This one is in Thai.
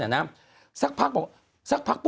คุณหนุ่มกัญชัยได้เล่าใหญ่ใจความไปสักส่วนใหญ่แล้ว